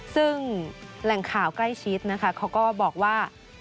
ซึ่งแหล่งข่าวใกล้ชิดนะคะเขาก็บอกว่า